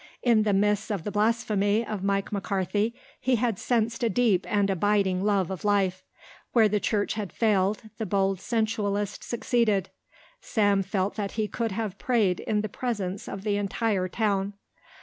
In the midst of the blasphemy of Mike McCarthy he had sensed a deep and abiding love of life. Where the church had failed the bold sensualist succeeded. Sam felt that he could have prayed in the presence of the entire town.